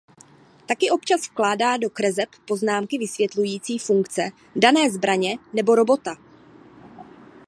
Tak občas vkládá do kreseb poznámky vysvětlující funkce dané zbraně nebo robota.